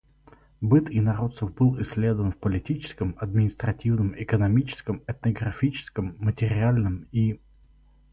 Быт инородцев был исследован в политическом, административном, экономическом, этнографическом, материальном и религиозном отношениях.